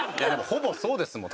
ほぼそうですもん。